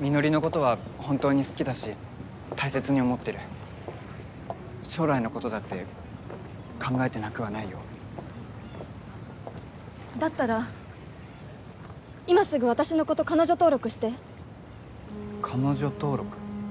美乃里のことは本当に好きだし大切に思ってる将来のことだって考えてなくはないよだったら今すぐ私のこと彼女登録して彼女登録？